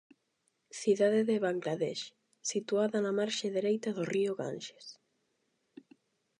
Cidade de Bangladesh, situada na marxe dereita do río Ganxes.